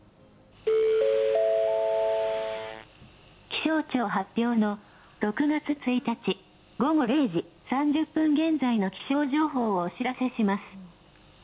気象庁発表の６月１日午後０時３０分現在の気象情報をお知らせします。